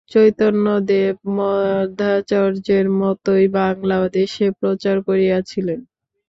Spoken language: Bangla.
চৈতন্যদেব মধ্যাচার্যের মত-ই বাঙলা দেশে প্রচার করিয়াছিলেন।